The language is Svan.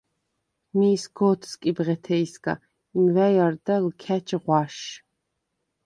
მიი სგო̄თსკი ბღეთეჲსგა, იმვა̈ჲ არდა ლჷქა̈ჩ ღვაშ.